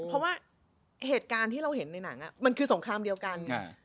เพราะว่าเหตุการณ์ที่เราเห็นในหนังมันคือสงครามเดียวกัน